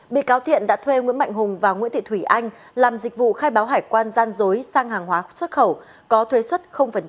bị cáo thiện đã thuê nguyễn mạnh hùng và nguyễn thị thủy anh làm dịch vụ khai báo hải quan gian dối sang hàng hóa xuất khẩu có thuế xuất